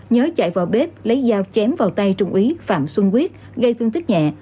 nhớ chạy vào bếp lấy dao chém vào tay trung ý phạm xuân quyết gây tương tích nhẹ